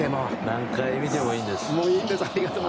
何回見てもいいですよ